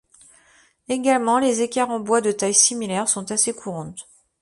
Également, les équerres en bois de taille similaire sont assez courantes.